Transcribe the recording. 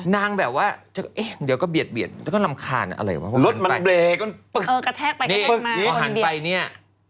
นางแบบว่าเดี๋ยวก็เบียดแล้วก็รำคาญอะไรวะรถมันเบรกกระแทกไปพอหันไปเนี่ย